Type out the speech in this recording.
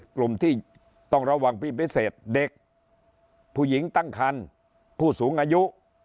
กลุ่มที่ต้องระวังเป็นพิเศษเด็กผู้หญิงตั้งคันผู้สูงอายุ